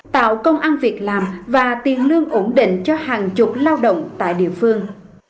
tạo công ăn việc làm và tiền lương ổn định cho hàng chục lao động tại địa phương